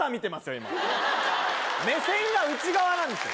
今目線が内側なんですよ